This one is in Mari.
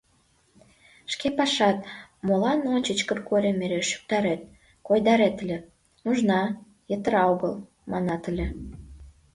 Шке пашат: молан ончыч Кыргорийым эре шӱктарет, койдарет ыле: «Нужна, йытыра огыл» манат ыле.